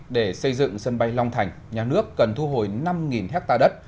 để xây dựng sân bay long thành nhà nước cần thu hồi năm ha đất